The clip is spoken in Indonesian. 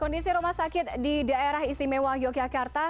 kondisi rumah sakit di daerah istimewa yogyakarta